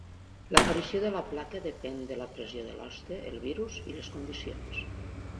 L'aparició de la placa depèn de la pressió de l'hoste, el virus i les condicions.